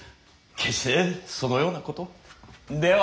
決してそのようなことは。